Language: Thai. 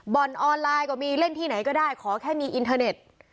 ออนไลน์ก็มีเล่นที่ไหนก็ได้ขอแค่มีอินเทอร์เน็ต